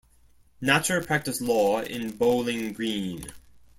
Natcher practiced law in Bowling Green.